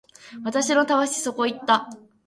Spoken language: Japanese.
私のたわしそこ行った